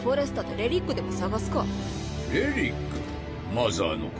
マザーのか？